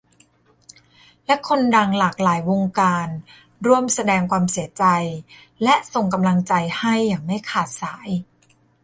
และคนดังหลากหลายวงการร่วมแสดงความเสียใจและส่งกำลังใจให้อย่างไม่ขาดสาย